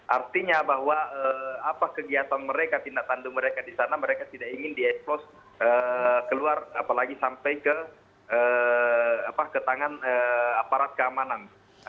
artinya bahwa apa kegiatan mereka tindak tandu mereka di sana mereka tidak ingin di expose keluar apalagi sampai ke tangan aparat keamanan